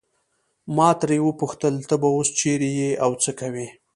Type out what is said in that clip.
ما ترې وپوښتل ته به اوس چیرې یې او څه کوې.